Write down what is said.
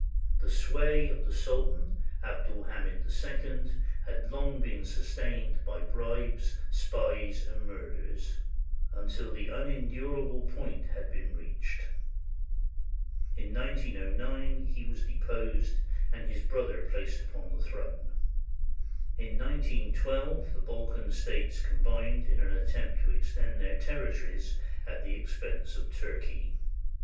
The sway of the Sultan Abd ul Hamid II had long been sustained by bribes, spies, and murders, until the unendurable point had been reached. In 1909, he was deposed and his brother placed upon the throne. In 191 2, the Balkan States combined in an attempt to ex tend their territories at the expense of Turkey.